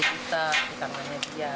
kita ditangannya dia